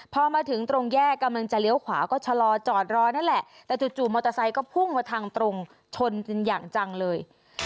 พอมาถึงตรงแยกกำลังจะเลี้ยวขวาก็ชะลอจอดรอนั่นแหละแต่จู่มอเตอร์ไซค์ก็พุ่งมาทางตรงชนอย่างจังเลย